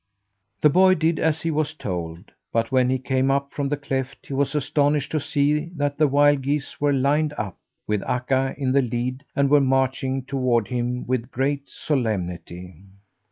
The boy did as he was told, but when he came up from the cleft he was astonished to see that the wild geese were lined up, with Akka in the lead, and were marching toward him with great solemnity.